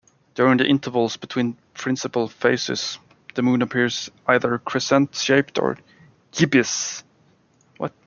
During the intervals between principal phases, the Moon appears either crescent-shaped or gibbous.